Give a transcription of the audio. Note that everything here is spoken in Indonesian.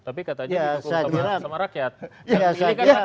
tapi katanya didukung sama rakyat